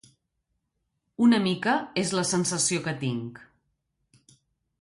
Una mica és la sensació que tinc.